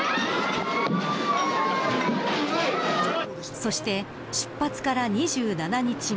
そして、出発から２７日目。